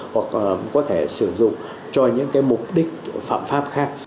hoặc có thể sử dụng cho những cái mục đích phạm pháp khác